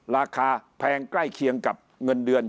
แพงใกล้เคียงกับเงินเดือน